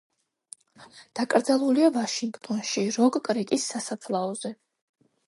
დაკრძალულია ვაშინგტონში, როკ-კრიკის სასაფლაოზე.